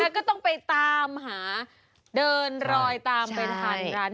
แล้วก็ต้องไปตามหาเดินรอยตามเป็นพันร้านนี้แหละ